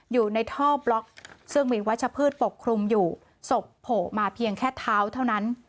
อยู่ในท่อบล็อกซึ่งมีวัชพืชปกคลุมอยู่ศพโผล่มาเพียงแค่เท้าเท่านั้น